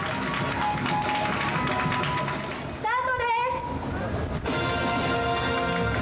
スタートです。